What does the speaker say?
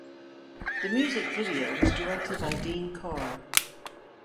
The music video was directed by Dean Karr.